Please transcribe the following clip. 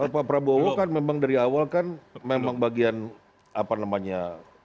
pak prabowo kan memang dari awal kan memang bagian apa namanya